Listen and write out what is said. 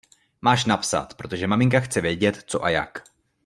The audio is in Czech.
Máš napsat, protože maminka chce vědět co a jak.